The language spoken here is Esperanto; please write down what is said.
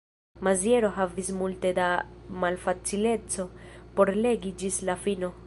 Maziero havis multe da malfacileco por legi ĝis la fino.